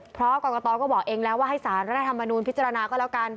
เพราะกรกตก็บอกเองแล้วว่าให้สารรัฐธรรมนูลพิจารณาก็แล้วกัน